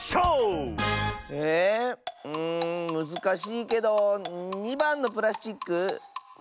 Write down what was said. うんむずかしいけど２ばんのプラスチック？